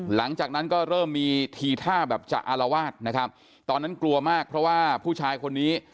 หลังจากนั้นก็เริ่มมีทีท่าแบบจะอารวาสนะครับตอนนั้นกลัวมากเพราะว่าผู้ชายคนนี้